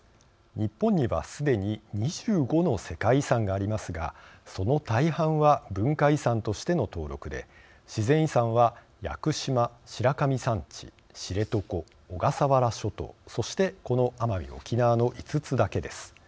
日本には、すでに２５の世界遺産がありますがその大半は文化遺産としての登録で自然遺産は屋久島、白神山地知床、小笠原諸島、そしてこの奄美・沖縄の５つだけです。